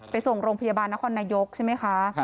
ไปส่งโรงพยาบาลนครนายกใช่ไหมคะ